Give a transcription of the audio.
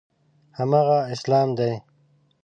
هماغه اسلام دی.